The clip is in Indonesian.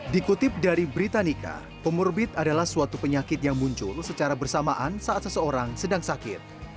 dikutip dari britanica comorbid adalah suatu penyakit yang muncul secara bersamaan saat seseorang sedang sakit